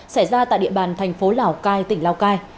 xảy ra tại địa bàn thành phố lào cai tỉnh lào cai